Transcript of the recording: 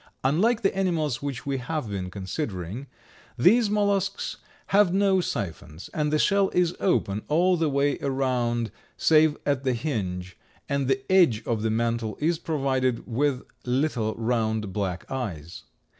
Unlike the animals which we have been considering, these mollusks have no siphons and the shell is open all the way around save at the hinge, and the edge of the mantle is provided with little, round, black eyes.